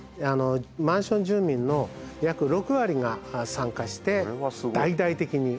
マンション住民の約６割が参加して大々的に。